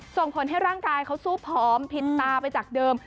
ส่งผลให้ร่างกายเขาสู้ผอมผิดตาไปจากเดิม